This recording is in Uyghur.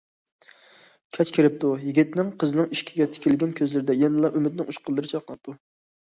كەچ كىرىپتۇ، يىگىتنىڭ قىزنىڭ ئىشىكىگە تىكىلگەن كۆزلىرىدە يەنىلا ئۈمىدنىڭ ئۇچقۇنلىرى چاقناپتۇ.